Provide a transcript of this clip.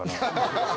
ハハハ。